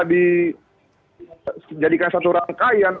dijadikan satu rangkaian